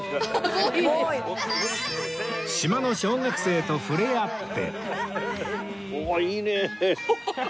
島の小学生とふれあって